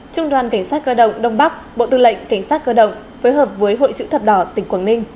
trung đoàn cảnh sát cơ động đông bắc bộ tư lệnh cảnh sát cơ động phối hợp với hội chữ thập đỏ tỉnh quảng ninh